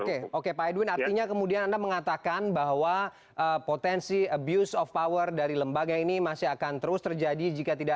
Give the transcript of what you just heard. oke oke pak edwin artinya kemudian anda mengatakan bahwa potensi abuse of power dari lembaga ini masih akan terus terjadi jika tidak